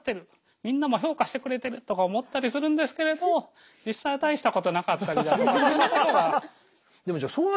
みんなも評価してくれてるとか思ったりするんですけれど実際は大したことなかったりだとか。